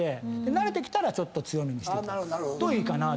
慣れてきたらちょっと強めにしていただくといいかなと。